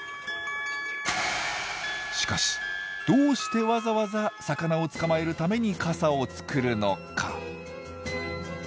しかしどうしてわざわざ魚を捕まえるために傘を作るのか？